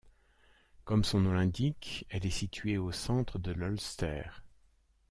Comme son nom l'indique, elle est située au centre de l'Ulster.